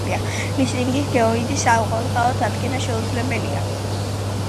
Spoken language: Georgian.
ლისტინგის გეოიდის საყოველთაოდ დადგენა შეუძლებელია.